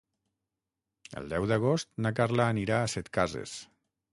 El deu d'agost na Carla anirà a Setcases.